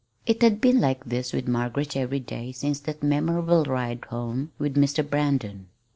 It had been like this with Margaret every day since that memorable ride home with Mr. Brandon.